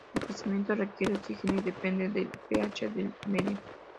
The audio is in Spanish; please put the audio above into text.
Su crecimiento requiere oxígeno y depende del pH del medio.